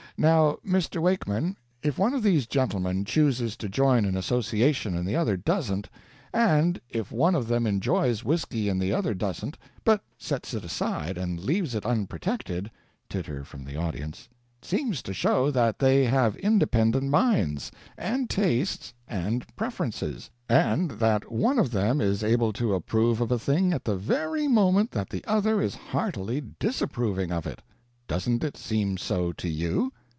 Now, Mr. Wakeman, if one of these gentlemen chooses to join an association and the other doesn't; and if one of them enjoys whisky and the other doesn't, but sets it aside and leaves it unprotected" (titter from the audience), "it seems to show that they have independent minds, and tastes, and preferences, and that one of them is able to approve of a thing at the very moment that the other is heartily disapproving of it. Doesn't it seem so to you?"